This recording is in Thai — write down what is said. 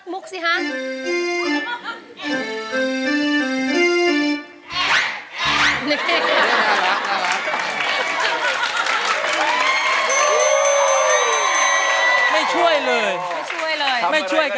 ไม่ช่วยกันเลย